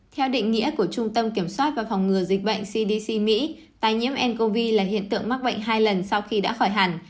theo định nghĩa của trung tâm kiểm soát và phòng ngừa dịch bệnh cdc mỹ tai nhiễm ncov là hiện tượng mắc bệnh hai lần sau khi đã khỏi hàn